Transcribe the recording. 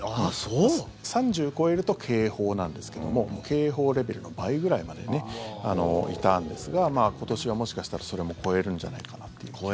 ３０超えると警報なんですけども警報レベルの倍ぐらいまでいたんですが今年はもしかしたらそれも超えるんじゃないかなっていう気がしてます。